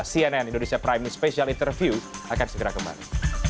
cnn indonesia prime special interview akan segera kembali